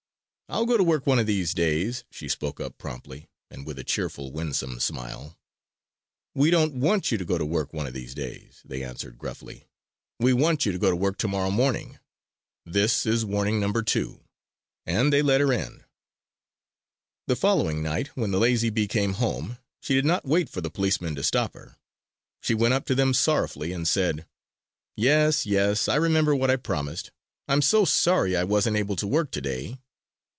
"I'll go to work one of these days," she spoke up promptly; and with a cheerful, winsome smile. "We don't want you to go to work one of these days," they answered gruffly. "We want you to go to work tomorrow morning. This is Warning Number 2!" And they let her in. The following night, when the lazy bee came home, she did not wait for the policemen to stop her. She went up to them sorrowfully and said: "Yes, yes! I remember what I promised. I'm so sorry I wasn't able to work today!"